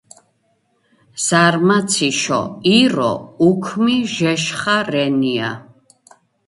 ზარმაციშო ირო უქმი ჟეშხა რენია